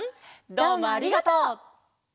どうもありがとう！